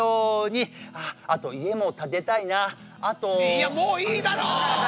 いやもういいだろ！